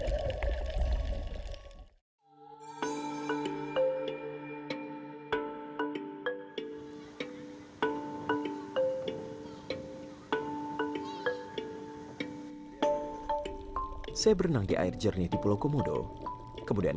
tetapi sampah sampah ini sampah internasional